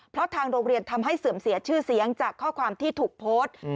เพราะทางโรงเรียนทำให้เสื่อมเสียชื่อเสียงจากข้อความที่ถูกโพสต์